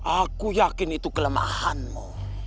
aku yakin itu kelemahanmu